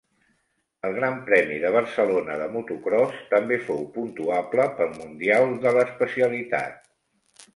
El Gran Premi de Barcelona de motocròs també fou puntuable pel mundial de l'especialitat.